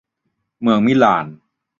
เมืองมิลาน